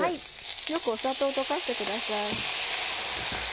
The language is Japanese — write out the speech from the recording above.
よく砂糖を溶かしてください。